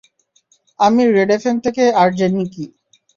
আমি, red FM থেকে RJ নিকি।